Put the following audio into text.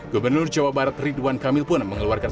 gubernur jawa barat ridwan kamil pun mengeluarkan